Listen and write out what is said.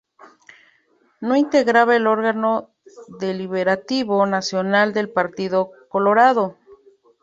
No integraba el Órgano Deliberativo Nacional del Partido Colorado.